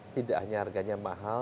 tidak hanya harganya mahal